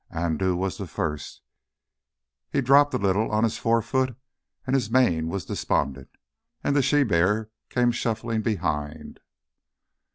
Andoo was first; he dropped a little on his fore foot and his mien was despondent, and the she bear came shuffling behind.